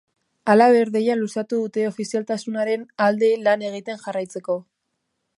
Halaber, deia luzatu dute ofizialtasunaren alde lan egiten jarraitzeko.